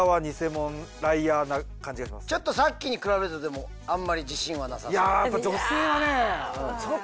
ちょっとさっきに比べるとあんまり自信はなさそう。